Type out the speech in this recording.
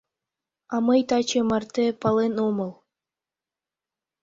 А мый таче марте пален омыл.